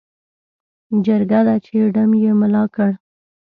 جرګه ده چې ډم یې ملا کړ.